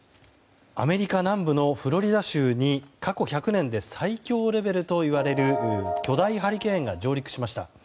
アメリカ南部のフロリダ州に過去１００年で最強レベルといわれる巨大ハリケーンが上陸しました。